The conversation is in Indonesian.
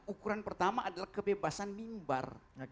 ukuran pertama adalah kebebasan mimbar